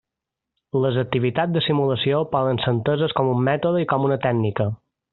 Les activitats de simulació poden ser enteses com un mètode i com una tècnica.